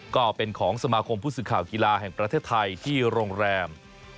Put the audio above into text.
ก็เป็นของสมาคมผู้สื่อข่าวกีฬาแห่งประเทศไทยที่โรงแรม